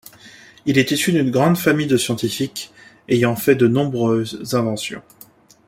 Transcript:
Il est issu d’une grande famille de scientifiques ayant fait de nombreuses inventions.